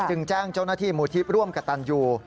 จึงแจ้งเจ้าหน้าที่มูลที่ร่วมกับตันยู